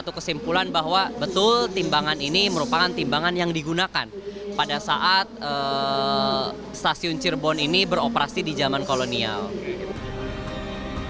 terima kasih bahwa betul timbangan ini merupakan timbangan yang digunakan pada saat stasiun cirebon ini beroperasi di zaman kolonial